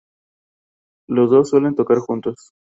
Los dos suelen tocar juntos.